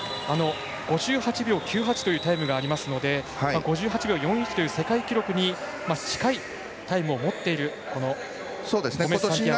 ５８秒９８というタイムがありますので５８秒４１という世界記録に近いタイムを持っているゴメスサンティアゴ。